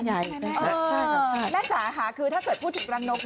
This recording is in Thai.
น่าจราค่ะคือถ้าเกิดพูดถูกละนก